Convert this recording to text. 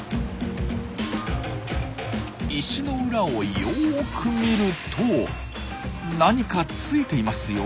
石の裏をよく見ると何かついていますよ。